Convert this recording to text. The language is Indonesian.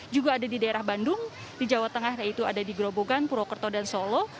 juga ada di daerah bandung di jawa tengah yaitu ada di grobogan purwokerto dan solo